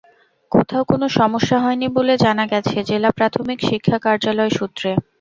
কোথাও কোনো সমস্যা হয়নি বলে জানা গেছে জেলা প্রাথমিক শিক্ষা কার্যালয় সূত্রে।